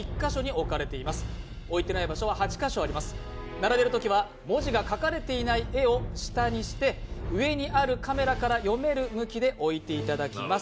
並べるときは、文字が描かれていない絵を下にして上にあるカメラから読める向きで置いてもらいます。